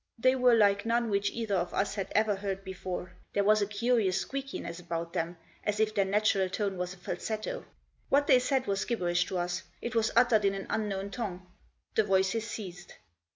They were like none which either of us had ever heard before ; Digitized by 94 THE JOSS. there was a curious squeakiness about them, as if their natural tone was a falsetto. What they said was gibberish to us ; it was uttered in an unknown tongue. The voices ceased.